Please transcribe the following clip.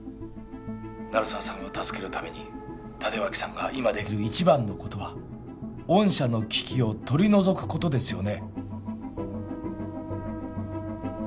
鳴沢さんを助けるために立脇さんが今できる一番のことは御社の危機を取り除くことですよね？